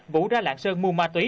vũ ra lạng sơn mua ma túy